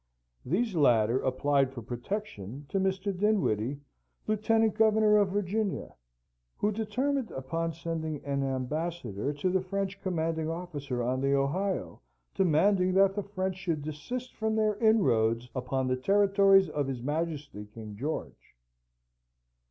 These latter applied for protection to Mr. Dinwiddie, Lieutenant Governor of Virginia, who determined upon sending an ambassador to the French commanding officer on the Ohio, demanding that the French should desist from their inroads upon the territories of his Majesty King George.